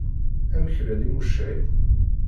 Amek llan Yimucaɣ?